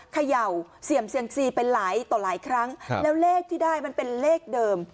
เขย่าเสี่ยงเซียมซีไปหลายต่อหลายครั้งแล้วเลขที่ได้มันเป็นเลขเดิม